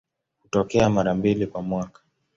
Hutokea mara mbili kwa mwaka.